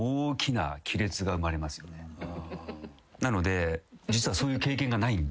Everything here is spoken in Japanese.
なので実はそういう経験がないんです。